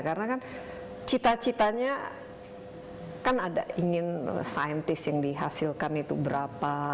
karena kan cita citanya kan ada ingin scientist yang dihasilkan itu berapa